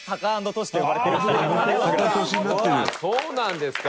トシ：そうなんですか？